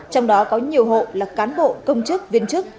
trong đó có nhiều hộ là cán bộ công chức viên chức